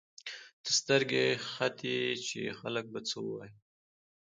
ته سترګې ختې چې خلک به څه وايي.